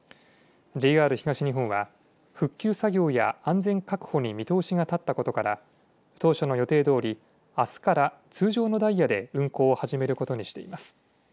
ＪＲ東日本は復旧作業や安全確保に見通しが立ったことから当初の予定どおりあすから通常のダイヤで運行を始めることにしています。